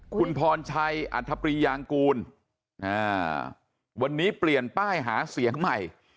คุณพรชัยอัธปริยางกูลวันนี้เปลี่ยนป้ายหาเสียงใหม่